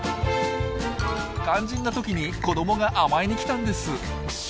肝心な時に子どもが甘えに来たんです。